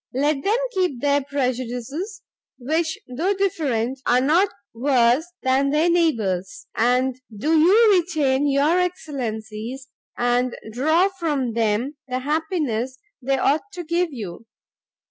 Let them keep their prejudices, which, though different, are not worse than their neighbours, and do you retain your excellencies, and draw from them the happiness they ought to give you.